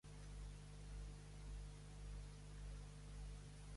Es mereix conèixer quins són els teus sentiments cap a ell.